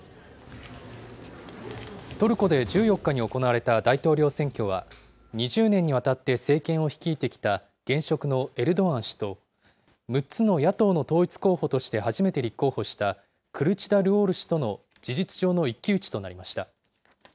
トルコで１４日に行われた大統領選挙は、２０年にわたって政権を率いてきた現職のエルドアン氏と、６つの野党の統一候補として初めて立候補したクルチダルオール氏との事実上の一騎打ちとなりました。